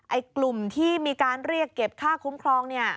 ไอ้กลุ่มที่มีการเรียกเก็บค่าคุ้มครองเนี่ย